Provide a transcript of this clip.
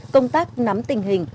công tác nắm tình hình